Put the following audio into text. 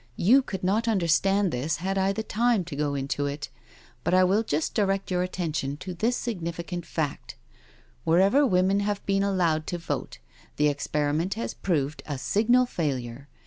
You could not understand this had I the time to go into it, but I will just direct your attention to this significant fact — wherever women have been allowed to vote, the experi ment has proved a signal failure.